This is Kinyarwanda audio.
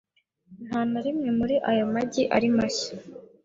Nta na rimwe muri ayo magi ari mashya .